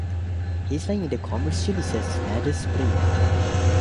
His line in the commercial is "Let us pray".